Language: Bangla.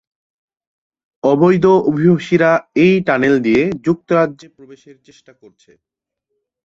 অবৈধ অভিবাসীরা এই টানেল দিয়ে যুক্তরাজ্যে প্রবেশের চেষ্টা করেছে।